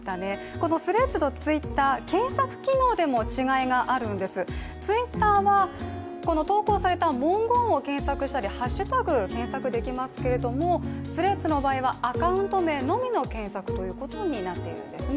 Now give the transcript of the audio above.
このＴｈｒｅａｄｓとＴｗｉｔｔｅｒ、検索機能でも違いがあるんです、Ｔｗｉｔｔｅｒは投稿された文言を検索したりハッシュタグ、検索ができますけれどもＴｈｒｅａｄｓの場合はアカウント名のみの検索ということになっているんですね。